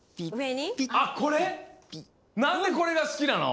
なんでこれがすきなの？